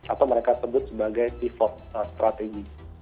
atau mereka sebut sebagai default strategy